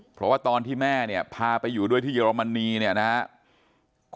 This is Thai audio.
เพราะว่าตอนที่แม่เนี่ยพาไปอยู่ด้วยที่เยอรมนีเนี่ยนะครับ